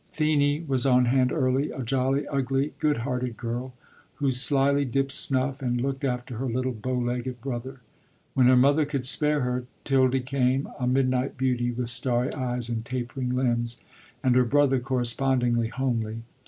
'Thenie was on hand early, a jolly, ugly, good hearted girl, who slyly dipped snuff and looked after her little bow legged brother. When her mother could spare her, 'Tildy came, a midnight beauty, with starry eyes and tapering limbs; and her brother, correspondingly homely.